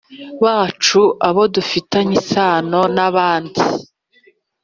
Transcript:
bacu, abo dufitanye isano n'abandi.